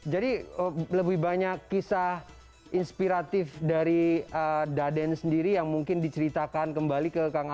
jadi lebih banyak kisah inspiratif dari daden sendiri yang mungkin diceritakan kembali ke kang